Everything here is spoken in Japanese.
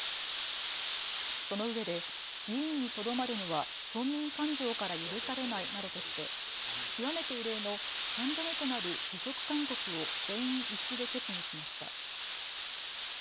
そのうえで議員にとどまるのは村民感情から許されないなどとして極めて異例の３度目となる辞職勧告を全員一致で決議しました。